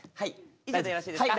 以上でよろしいですか？